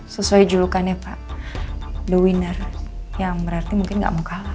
sesuai julukannya pak the winner yang berarti mungkin gak mau kalah